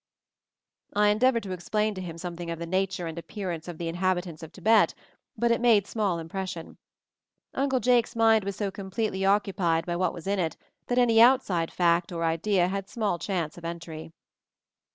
I endeavored to explain to him something of the nature and appearance of the inhabi tants of Tibet, but it made small impression. Uncle Jake's mind was so completely occu pied by what was in it, that any outside fact or idea had small chance of entry.